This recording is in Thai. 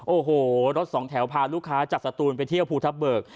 โอ้โหรถสองแถวพาลูกค้าจากสตูนไปเที่ยวภูทับเบิก